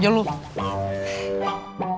gitu gitu gitu gitu